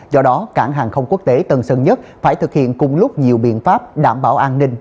do đó cảng hàng không quốc tế tân sơn nhất phải thực hiện cùng lúc nhiều biện pháp đảm bảo an ninh